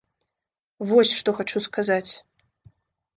Вось што хачу сказаць.